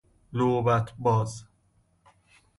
لعبت باز